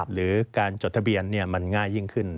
หรือการจดทะเบียนมันง่ายยิ่งขึ้น